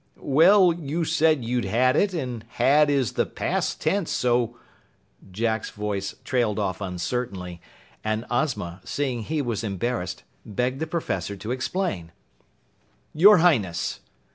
"Well, you said you'd had it, and had is the past tense, so " Jack's voice trailed off uncertainly, and Ozma, seeing he was embarrassed, begged the Professor to explain. "Your Highness!"